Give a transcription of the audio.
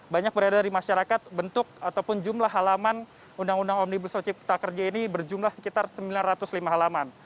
banyak berada di masyarakat bentuk ataupun jumlah halaman undang undang omnibus law cipta kerja ini berjumlah sekitar sembilan ratus lima halaman